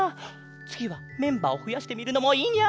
つぎはメンバーをふやしてみるのもいいニャ。